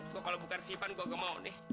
gua kalau buka resipan gua ke mau nih